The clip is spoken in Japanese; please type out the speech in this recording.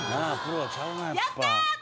やったー！